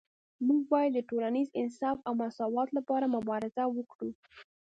موږ باید د ټولنیز انصاف او مساوات لپاره مبارزه وکړو